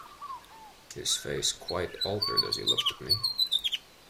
His face quite altered as he looked at me.